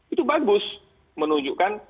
itu bagus menunjukkan